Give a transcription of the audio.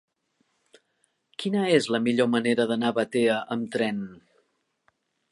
Quina és la millor manera d'anar a Batea amb tren?